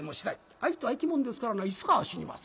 相手は生き物ですからないつかは死にます。